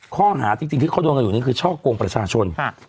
ข้อหาจริงที่เขาโดนกันอยู่นี่คือช่อกงประชาชน